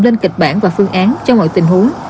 lên kịch bản và phương án cho mọi tình huống